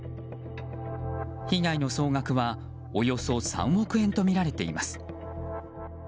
被害の総額はおよそ３億円とみられています。